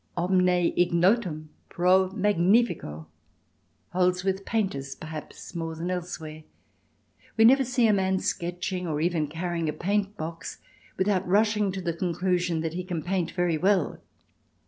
Omne ignotum pro magnifico holds with painters perhaps more than elsewhere; we never see a man sketching, or even carrying a paint box, without rushing to the conclusion that he can paint very well.